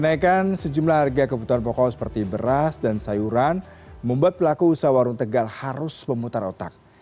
kenaikan sejumlah harga kebutuhan pokok seperti beras dan sayuran membuat pelaku usaha warung tegal harus memutar otak